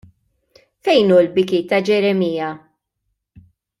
Fejn hu l-biki ta' Ġeremija!